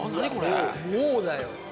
もうだよ。